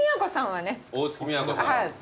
はい。